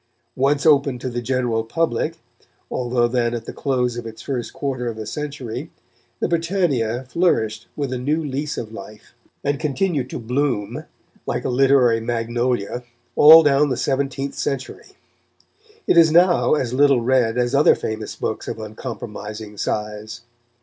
Once open to the general public, although then at the close of its first quarter of a century, the Britannia flourished with a new lease of life, and continued to bloom, like a literary magnolia, all down the seventeenth century. It Is now as little read as other famous books of uncompromising size.